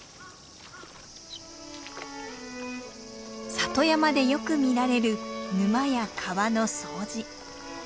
里山でよく見られる沼や川の掃除。